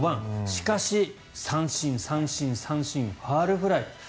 しかし、三振、三振、三振ファウルフライ。